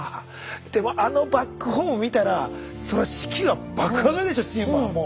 でもあのバックホーム見たらそりゃ士気が爆上がりでしょチームがもう。